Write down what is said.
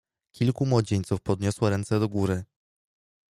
"Kilku młodzieńców podniosło ręce do góry."